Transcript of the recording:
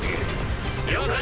了解。